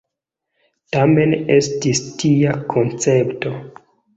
Tamen estis tia koncepto.